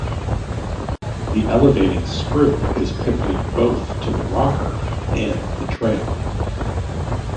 The elevating screw is pivoted both to the rocker and the trail.